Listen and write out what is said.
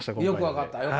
よく分かった？